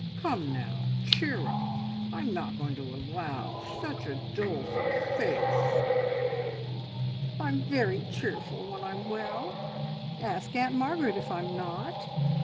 Come now, cheer up! I am not going to allow such a doleful face." "I'm very cheerful when I'm well. Ask Aunt Margaret if I'm not.